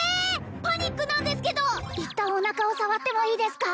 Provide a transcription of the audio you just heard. パニックなんですけど一旦おなかを触ってもいいですか？